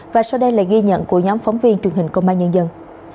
và sau đây là ghi nhận của nhóm phóng viên truyền hình công an nhân dân